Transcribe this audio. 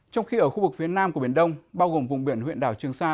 trong khi ở khu vực phía nam của biển đông bao gồm vùng biển huyện đảo trường sa